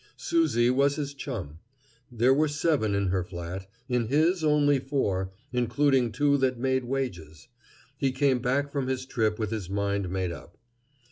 Susie was his chum. There were seven in her flat; in his only four, including two that made wages. He came back from his trip with his mind made up.